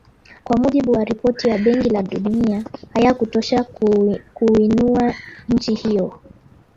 Kwa mujibu wa ripoti ya Benki ya Dunia hayakutosha kuiinua nchi hiyo